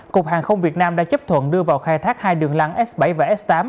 cục hàng không việt nam đã chấp thuận đưa vào khai thác hai đường lăng s bảy và s tám